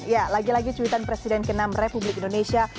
ya lagi lagi cuitan presiden ke enam republik indonesia